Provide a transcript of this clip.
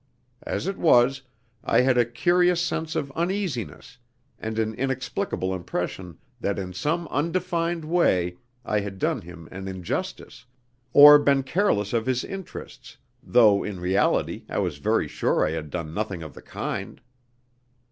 As it was, I had a curious sense of uneasiness, and an inexplicable impression that in some undefined way I had done him an injustice, or been careless of his interests, though in reality I was very sure I had done nothing of the kind.